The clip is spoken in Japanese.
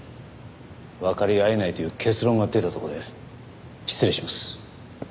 わかり合えないという結論が出たところで失礼します。